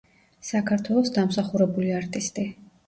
საქართველოს დამსახურებული არტისტი.